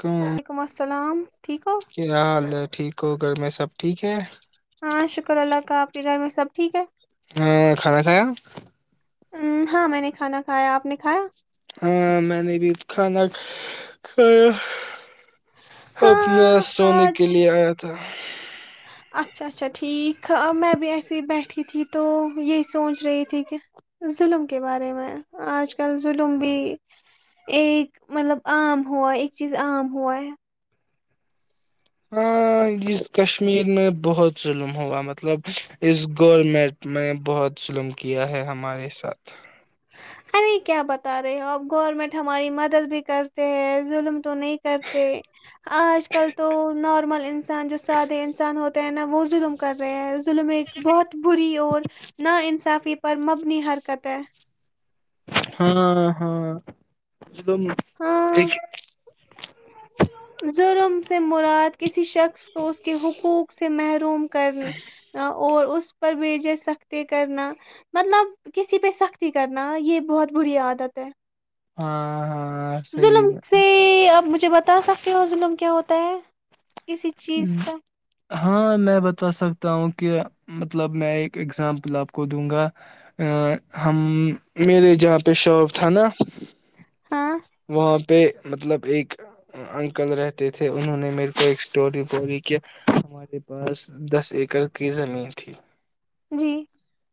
کم وعلیکم السلام ٹھیک ہو کوکر میں سب ٹھیک ہے ہاں شکر اللہ کا آپ کے گھر میں سب ٹھیک ہے ا کھانا کھایا ہاں میں نے کھانا کھایا آپ نے کھایا ہاں میں نے بھی کھانا کھایا شو کیا ہاں سونے کے آج لیے ایا تھا [inaudible] [inaudible] اچھا اچھا ٹھیک ا میں بھی ایسے ہی بیٹھی تھی تو یہی سوچ رہی تھی کہ ظلم کے بارے میں آج کل ظلم بھی ایک مطلب عام ہوا ہے ایک چیز عام ہوا ہے ہاں اس کشمیر میں بہت ظلم ہوا مطلب اس گورنمنٹ میں بہت ظلم کیا ہے ہمارے ساتھ ارے کیا بتا رہے آپ گورنمنٹ ہماری مدد بھی کرتے ہے ظلم تو نہیں کرتے آج کل تو نارمل انسان جو سادے انسان ہوتے ہیں نا وہ ظلم کر رہے ہیں ظلم ایک بہت بری اور نا انصافی پر مبنی حرکت ہے ہاں ہاں تم [unintelligible] جرم سے مراد کسی شخص کو اس کے حقوق سے محروم کر اور اس اس پر بھیجے سختی کرنا مطلب کسی پہ سختی کرنا یہ بہت بری عادت ہے ہاں ہاں صحیح ظلم سے اب مجے مجھے بتا سکتے ہو ظلم کیا ہوتا ہے کسی میں چیز کا ہاں میں بتا سکتا ہوں کہ مطلب میں ایک ایگزامپل آپ کو دوں گا اں ہم میرے جات پیشاب تھانا ہاں وہاں پہ مطلب ایک انکل رہتے تھے انہوں نے میرے کو ایک ٹی پوری کے ہمارے پاس دس ایکڑ کی زمین تھی جی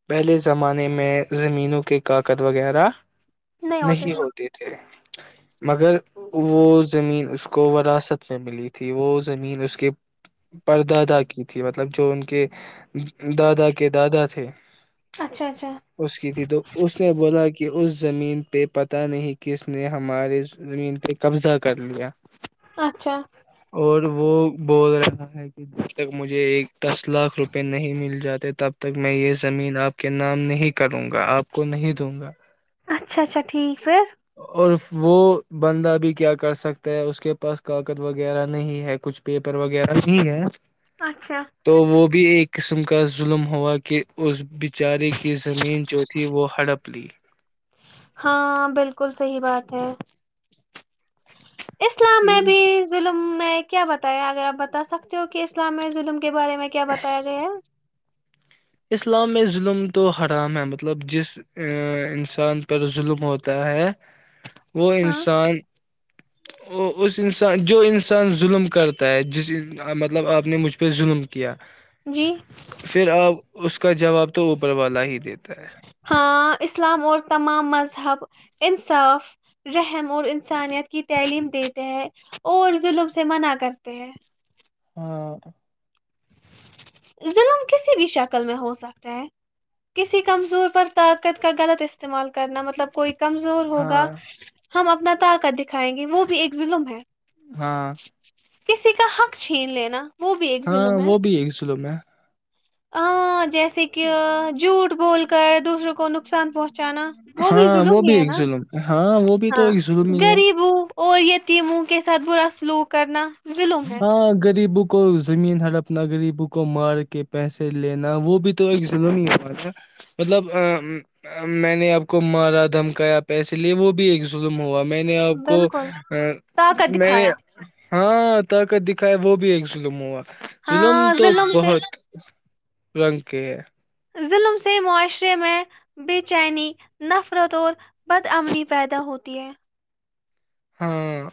پہلے زمانے میں میں زمینوں کے کاف کد وغیرہ نہیں ہوتے تھے مگر وہ زمین اس کو وراثت میں ملی تھی وہ اس زمین اس کے پردادا کی تھی مطلب جو ان کے دادا کے دادا تھے اچھا اچھا اس کی تھی تو اس نے بولا کہ اس زمین پہ پتہ نہیں کس نے ہمارے زمین پہ قبضہ کر لیا اچھا اور وہ بول رہا ہے کہ جب تک مجھے ایک دس لاکھ روپے نہیں مل جاتے تب تک میں یہ زمین آپ کے نام نہیں کروں گا آپ کو نہیں دوں گا اچھا اچھا ٹھیک پھر اور وہ بندہ بھی کیا کر سکتا ہے اس کے پاس کاگت وغیرہ نہیں ہے کچھ پیپر وغیرہ نہیں ہے اچھا تو وہ بھی ایک قسم کا ظلم ہوا کہ اس بچارے کی زمین جو تھی وہ ہڑپ لی ہاں بالکل صحی بات ہے اسلام میں بھی ظلم میں کیا بتایا اگر آپ بتا سکتے ہو کہ اسلامیہ ظلم کے بارے میں کیا بتایا گیا ہے اسلام میں ظلم تو حرام ہے مطلب جس انسان پر ظلم ہوتا ہے وہ ہاں انسان ا اس انسان جو انسان ظلم کرتا ہے جس مطلب آپ نے مجھ پہ ظلم کیا جی پھر آپ اس کا جواب تو اوپر والا ہی دیتا ہے ہاں اسلام اور تمام مذہب انصاف رحم اور انسانیت کی تعلیم دیتے ہے اور ظلم سے منع کرتے ہیں [inaudible] ظلم کسی بھی شکل میں ہو سکتا ہے کسی کمزور پر طاقت کا غلط استعمال کرنا مطلب کوئی کمزور ہاں ہوگا ہم اپنا تا کر دکھائیں گے وہ بھی ایک ظلم ہے ہاں کسی کا حق چھین لینا وہ بھی ایک ہاں وہ بھی ایک ظلم میں آ جیسے کہ جھوٹ بول کر [unintelligible] دوسروں کو نقصان پہنچ چانا وہ بھی ہاں ظللم بھی ہی ہے ایک نا ظلم ہاں وہ بھی تو ہاں ایک ظلم ہی ہے غریبوں اور یتیموں کیس سات برا سلوک کرنا ظلم ہے ہاں غریب کو زمین ہر اپنا غریبوں کو مار کے پیسے لینا وہ بھی تو ایک ظلم ہی ہوا تھا مطلب میں ما نے آپ کو مارا دھمکایا پیسے لے وہ بھی ایک ظلم ہوا میں نے آپ کو بالکل طاقت میں نے دکھایا ہاں طاقت دکھائے وہ بھی ایک ظلم ہوا ظلم ہاں تو ظلم سے بہت رنگ کے ہے ظلم سے معاشرے میں بے چینی نفرتور بد امنی پیدا ہوتی د ہے ہاں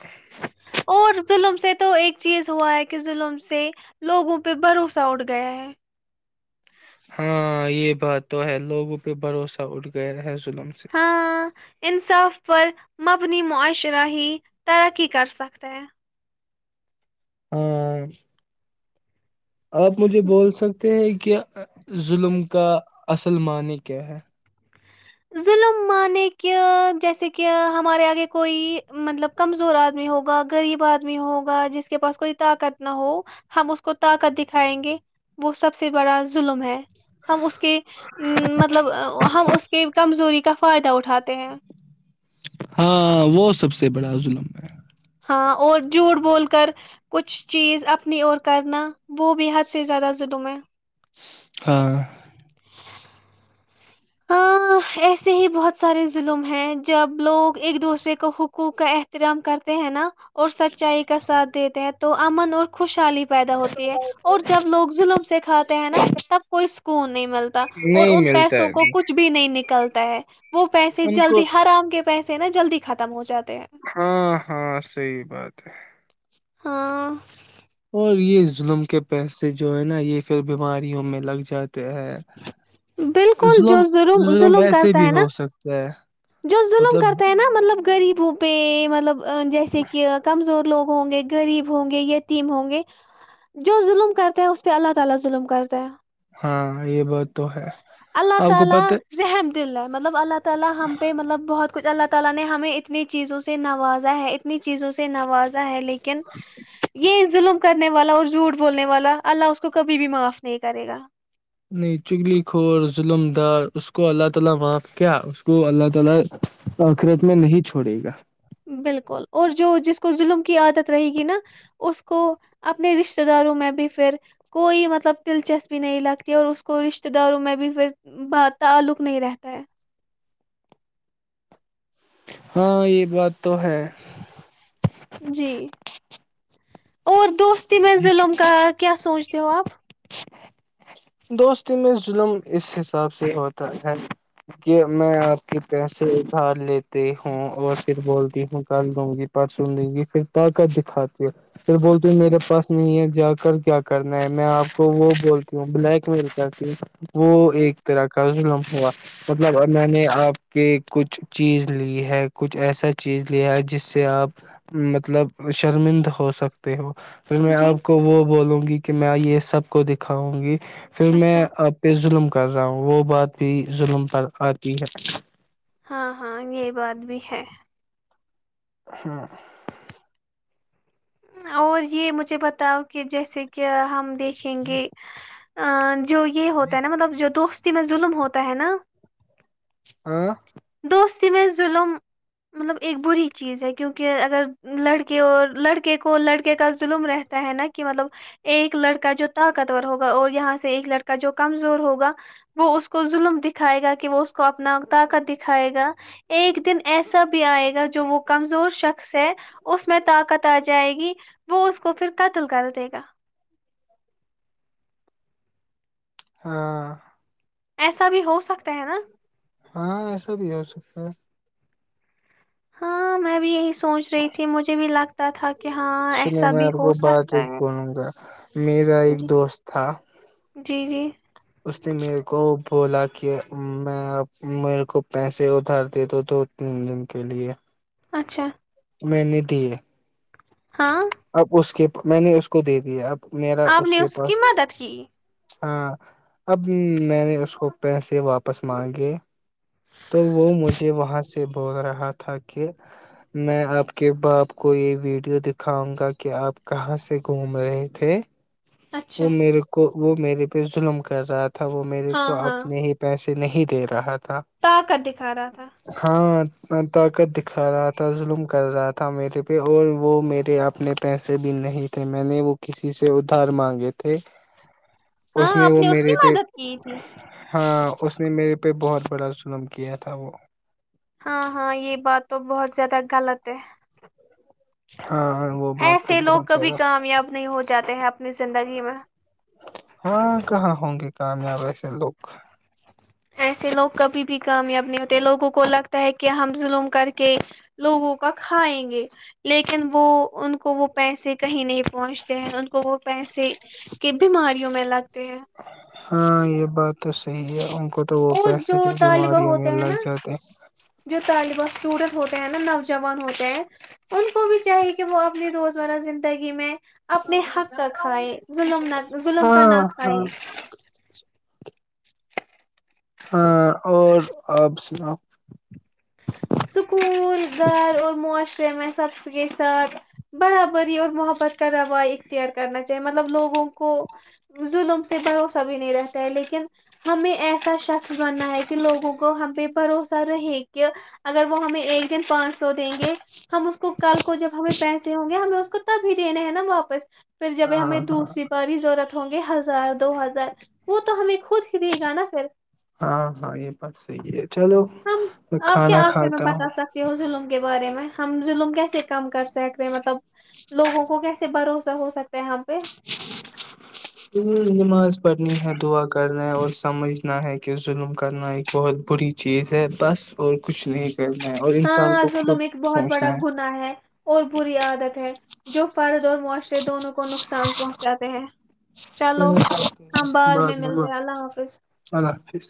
اور ظلم سے تو ایک چیز ہوا ہے کہ ظلم سے لوگوں پہ بھروسہ اڑ گیا ہے ہاں یہ بات تو ہے لوگوں پہ بھروسہ اٹھ گیا ہے ظلم سے ہاں انصاف پر [unintelligible] مبنی معائش ر ہی ترقی کر سکتا ہے ہاں آپ مجھے بول سکتے ہیں [unintelligible] کہ ظلم کا اصل معنی کیا ہے ظلم مانے کہ جیسے کہ ہمارے آگے کوئی مطلب کمزور آدمی ہوگا غریب آدمی ہوگا جس کے پاس کوئی طاقت نہ ہو ہم اس کو طاقت دکھائیں گے وہ سب سے بڑا ظلم ہے ہم اس کے مطلب ہم اس کی کمزوری کا فائدہ اٹھاتے ہیں ہاں وہ سب سے بڑا ظلم ہے ہاں اور جھوٹ بول کر کچھ چیز اپنی اور کرنا وہ بھی حد سے زیادہ جدم ہے ہاں ہاں ایسے ہی بہت سارے ظلم ہیں جب لوگ ایک دوسرے کو حقوق کا احترام کرتے ہیں نا اور سچائی کا ساتھ دیتے ہیں تو امن اور خوشحالی پیدا ہوتی ہے اور جب لوگ ظلم سے کھاتے ہیں نا تب کوئی سکون نہیں ملتا اور نہیں ان ملتا پیسوں کو ہے نہیں نکلتا ہے وہ پیسے ان کو جلدی ہرام کے پیسے نا جلدی ختم ہو جاتا ہاں ہاں صحی بات ہے ہاں اور یہ ظلم کے پیسے جو ہے نا یہ پھر بیماریوں میں لگ جاتا بالکل جو ظلم ظلم ایسے کرتا بھی ہے نا ہو سکتا ہے جو ظلم مطلب کرتے ہیں نا مطلب غریب ہو پ مطلب جیسے کہ کمزور لوگ ہوں گے غریب ہوں گے یتیم ہوں گے جو ظلم کرتا ہے اس پہ اللہ تعالی ظلم کرتا ہے ہاں یہ بات تو ہے اللہ آپ کو تعالی پت رحم دل ہے مطلب اللہ تلا ہم پہ مطلب بہت کچھ اللہ تعالی نے ہمیں اتنی چیزوں سے نوازا ہے اتنی چیزوں سے نوازا ہے لیکن یہ ظلم کرنے والا اور جھوٹ بولنے والا اللہ اس کو کبھی بھی معاف نہیں کرے گا اور ظلمدار اس کو اللہ تعالی معاف کیا اس کو اللہ تعالی اخرت میں نہیں چھوڑے گا بالکل اور جو جس کو ظلم کی عادت رہے گی نا اس کو اپنے رشتتے داروں میں بھی پھر کوئی مطلب دلچسپی نہیں لگتی اور اس کو رشتتے داروں میں بھی پھر تعلق نہیں رہتا ہے ہاں یہ بات تو ہے جی اور دوست می ظلم کا کیا سوچ جواب دوست میں ظلم اس حساب سے ہوتا ہے کہ میں آپ کے پیسے ابھار لیتے ہوں اور پھر بولتی ہوں کر دوں گی پرسن لوں گی پھر طاقت دکھاتی ہوں پھر بولتی ہوں میرے پاس نہیں ہے جا کر کیا کرنا ہے میں آپ کو وہ بولتی ہوں بلیک میل کرتی ہوں وہ جی ایک تور کا ہوا مطلب میں نے آپ کے کچھ چیز لی ہے کچھ ایسا چیز لیا ہے جس سے آپ مطلب شرمند ہو سکتے ہو پھر میں جی آپ کو وہ بولوں گی کہ میں یہ سب کو دکھاؤں گی پھر میں اچھا آپ پے ظلم کر رہا ہوں وہ بات بھی ظلم پر آتی ہے ہےھ ہاں اور یہ مجھے بتاؤ کہ جیسے کہ ہم دیکھیں گے ہاں جو یہ یہ ہوتا ہے نا مطلب جو دوست میں ظلم ہوتا ہے نا ہاں کوی میں ظلم مطلب ایک بری چیز ہے کیونکہ اگر لڑکے اور لڑکے کو لڑکے کا ظلم رہتا ہے نا کہ مطلب ایک لڑکا جو طاقتور ہوگا اور یہاں سے ایک لڑکا جو کمزور ہوگا وہ اس کو ظلم دکھائے گا کہ وہ اس کو اپنا طاقت د دکھائے گا ایک دن ایسا بھی آئے گا جو وہ کمزور شخص ہے اس میں طاقت آ جائے گی وہ اس کو پھر قتل کر دے گا ہاں ایسا بھی ہو سکتا ہے نا ہاں ایسا بھی ہو سکتا ہے ہاں میں بھی یہی سوچ رہی تھی مجھے بھی لگتا تھا کہ ہاں سنو ایسا میں بھی آپ ہو کو بات سکتا ایک ہے بولوں گا میرا جی ایک دوست تھا جی جی اس نے میرے کو بولا کہ میں اب میرے کو پیسے ادھار دے دو دو تین دن کے لیے اچھا میںنی تیر ہاں اب اس کے میں نے اس کو دے دیا اب میرا آپ نے کے اس کی پاس مدد کی ہاں اب میں نے اس کو پیسے واپس مانگے تو وہ مجھے وہاں سے بول رہا تھا کہ میں آپ کے باپ کو یہ ویڈیو دکھاؤں گا کہ آپ کہاں سے گھوم رہے تھے اچھا وہ میرے کو وہ میرے پہ ظلم کر کر رہا تھا وہ میرے ہاں کو ہاں اپنے ہی پیسے نہیں دے رہا تھا طاقت دکھا رہا تھا ہاں طاقت دکھا رہا تھا ت ظلم کر رہا تھا میرے پہ اور وہ میرے اپنے پیسے بھی نہیں تھے میں نے وہ کسی سے ادھار مانگ یہ تھ [inaudible] اس ہاں نے آپ وہ کی میرے پہ مدد کی تھی ہاں اس نے میرے ہ بہت بڑا سن خم کیا تھا وہ ہاں ہاں یہ بات تو بہت زیادہ غلط ہے ہاں وہ بات تو ایسے لوگ بہت کبھی زیادہ کامیاب نہیں ہو جاتے ہیں اپنی زندگی میں ہاں کہاں ہوں گے تو ہم آ [inaudible] سک ایسے لوگ کبھی بھی کامیاب نہیں ہوتے لوگوں کو لگتا ہے کہ ہم ظللم کر کے لوگوں کا کھائیں گے لیکن وہ ان کو وہ پیسے کہیں نہیں پہنچتے ہیں ان کو وہ پیسے سے کے بیماریوں میں لگتے ہیں [inaudible] ہاں یہ بات تو صحیح ان کو تو وہ اور پیسے جو کی طالبہ بیماریوں میں ہوتے ہیں لگ نا جاتے ہیں طالبہ اسٹوڈنٹ ہوتے ہیں نا نوجوان ہوتے ہیں ان کو بھی چاہیے کہ وہ اپنی روزمرہ زندگی میں اپنے حق کا کھائے ظلم نہ ظلم کا ہاں نہ کھائے ہاں ہاں اور آپ سناؤ سکول گھر اور معاشرے میں سب کے ساتھ برابری اور محبت کا روا اختیار کرنا چاہیے مطلب لوگوں کو ظلم سے بھروس سبھی نہیں رہتا ہے لیکن ہمیں ایسا شخص بنا ہے کہ لوگوں کو ہم بھی بھروسہ رہے کہ اگر وہ ہمیں ایک دن پانچ سو دیں گے ہم اس کو کل کو جب ہمیں پیسے ہ گے ہمیں [unintelligible] کتا بھیجنے ہے نا واپس پھر جب ہمیں ہاں ہاں دوسری باری ضرورت ہوں گے ہزار دو ہزار وہ تو ہمیں خود ہی دے گا نا پھر ہاں ہاں یہ بات صحی ہے چلو ہم میں آپ کیا کھانا آخر میں کھاتا ہوں بتا [inaudible] سکتے ہو ظلم کے بارے میں ہم ظلم کیسے کم کر سکتے ہیں مطلب لوگوں کو کیسے بھروسہ ہو سکتا ہے یہاں پہ [inaudible] نماز پڑھنی ہے دعا کرنا ہے اور سمجھنا ہے کہ ظلم کرنا ایک بہت بری چیز ہے بس اور کچھ نہیں کرنا ہے اور انسان ہاں کو خود ظلم ایک بہت بڑا سوچنا گنااہ ہے اور بری عادت ہے جو پارد اور معاشر سے دونوں کو نقصان پہنچاتے ہیں چلو چ ہم بعد بعض میں ملتے اللہ ہیں حافظ حافظ